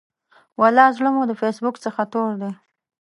ولا زړه مو د فیسبوک څخه تور دی.